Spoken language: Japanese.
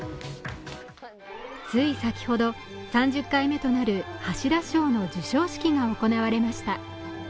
つい先ほど、３０回目となる橋田賞の授賞式が行われました。